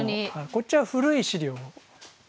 こっちは古い資料を。